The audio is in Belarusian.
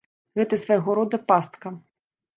Гэта свайго рода пастка.